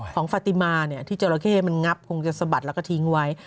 ของปฏิมาที่จราเข้มันงับคงจะสะบัดแล้วก็ทิ้งไว้